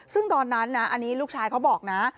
ซึ่งตอนนั้นนะอันนี้ลูกชายเขาบอกนะ